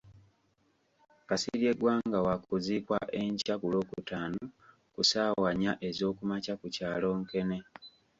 Kasirye Gwanga wakuziikwa enkya ku Lwokutaano ku ssaawa nnya ezookumakya ku kyalo Nkene.